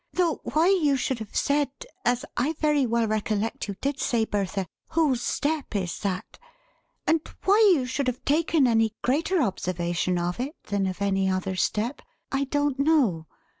Though why you should have said, as I very well recollect you did say, Bertha, 'whose step is that!' and why you should have taken any greater observation of it than of any other step, I don't know.